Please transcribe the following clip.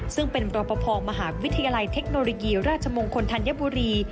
ซึ่งเป็นรอปภมหาวิทยาลัยเทคโนโลยีราชมงคลธัญบุรี